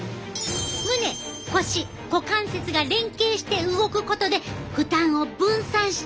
胸腰股関節が連係して動くことで負担を分散してんねん！